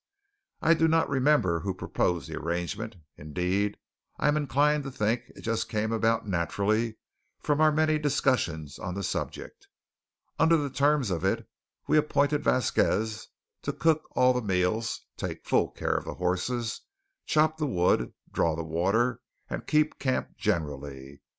I do not remember who proposed the arrangement; indeed, I am inclined to think it just came about naturally from our many discussions on the subject. Under the terms of it we appointed Vasquez to cook all the meals, take full care of the horses, chop the wood, draw the water, and keep camp generally.